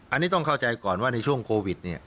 อันนี้ต้องเข้าใจก่อนว่าในช่วงโควิด